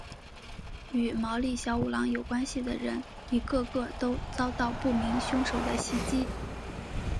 与毛利小五郎有关系的人一个个都遭到不明凶手的袭击。